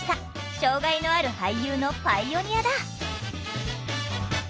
障害のある俳優のパイオニアだ